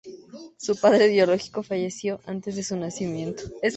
Su padre biológico falleció antes de su nacimiento.